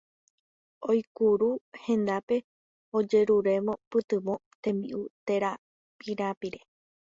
Oúkuri hendápe ojerurévo pytyvõ, tembi'u térã pirapire.